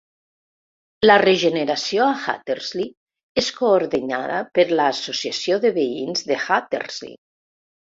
La regeneració a Hattersley és coordinada per l'Associació de Veïns de Hattersley.